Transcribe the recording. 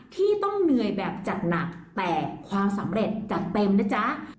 ที่ต้องเหนื่อยแบบจัดหนักแต่ความสำเร็จจัดเต็มนะจ๊ะ